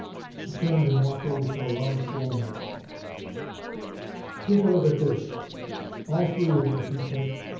He turned and walked over to a large wall map. "Take a look at this all three of you," he said.